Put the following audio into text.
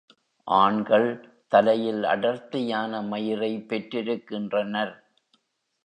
ஆண்கள் தலையில் அடர்த்தியான மயிரைப் பெற்றிருக்கின்றனர்.